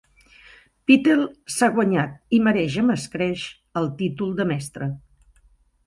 Pittel s'ha guanyat i mereix amb escreix el títol de "mestre".